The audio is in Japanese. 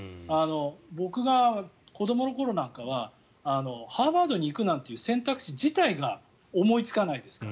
僕が子どもの頃なんかはハーバードに行くなんていう選択肢自体が思いつかないですから。